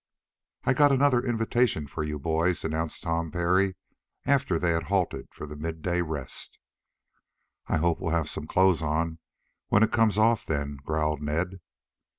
"I've got another invitation for you boys," announced Tom Parry after they had halted for the midday rest. "I hope we'll have some clothes on when it comes off, then," growled Ned.